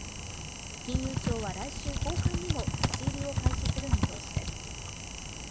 金融庁は来週後半にも立ち入りを開始する見通しです。